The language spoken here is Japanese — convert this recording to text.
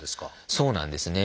そうなんですね。